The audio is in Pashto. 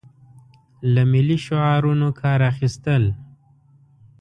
له ملي شعارونو کار اخیستل.